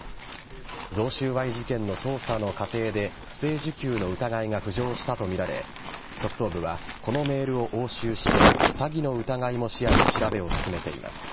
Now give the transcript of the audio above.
贈収賄事件の捜査の過程で不正受給の疑いが浮上したとみられ特捜部は、このメールを押収して詐欺の疑いも視野に調べを進めています。